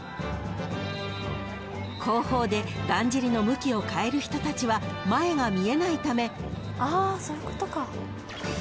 ［後方でだんじりの向きを変える人たちは前が見えないためこの］